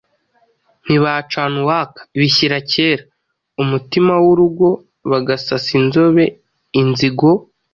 ntibacana uwaka, bishyira kera, umutima w’urugo, bagasasa inzobe, inzigo